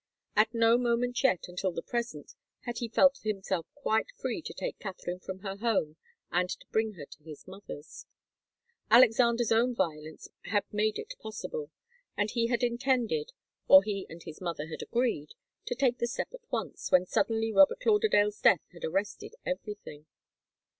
At no moment yet, until the present, had he felt himself quite free to take Katharine from her home and to bring her to his mother's. Alexander's own violence had made it possible. And he had intended, or he and his mother had agreed, to take the step at once, when suddenly Robert Lauderdale's death had arrested everything.